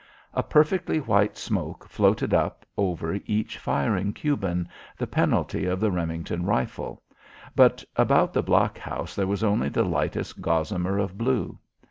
A perfectly white smoke floated up over each firing Cuban, the penalty of the Remington rifle, but about the blockhouse there was only the lightest gossamer of blue.